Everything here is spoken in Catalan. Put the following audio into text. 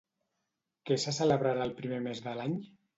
Què se celebrarà al primer mes de l'any?